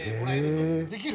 できる？